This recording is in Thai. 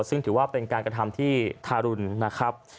ซึ่งถือว่าเป็นการกระทำที่ทารุณนะครับ